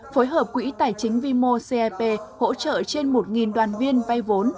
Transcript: phối hợp quỹ tài chính vimo cep hỗ trợ trên một đoàn viên vay vốn